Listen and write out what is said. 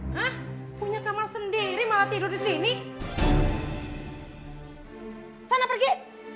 hah punya kamar sendiri malah tidur disini